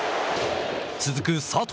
続く佐藤。